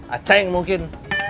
ah ceng mungkin